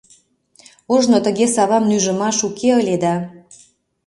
— Ожно тыге савам нӱжымаш уке ыле да.